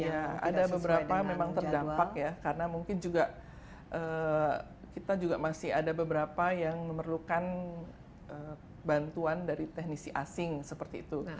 iya ada beberapa memang terdampak ya karena mungkin juga kita juga masih ada beberapa yang memerlukan bantuan dari teknisi asing seperti itu